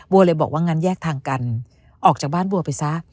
เลยบอกว่างั้นแยกทางกันออกจากบ้านบัวไปซะ